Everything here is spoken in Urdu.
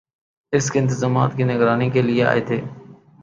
اس کے انتظامات کی نگرانی کیلئے آئے تھے